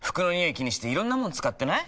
気にしていろんなもの使ってない？